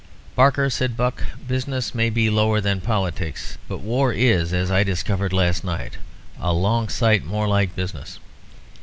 "Barker," said Buck, "business may be lower than politics, but war is, as I discovered last night, a long sight more like business.